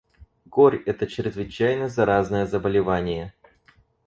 Корь это чрезвычайно заразное заболевание.